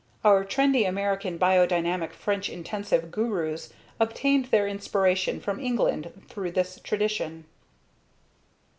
Our trendy American Biodynamic French Intensive gurus obtained their inspiration from England through this tradition.